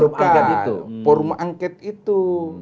di clearkan forum angket itu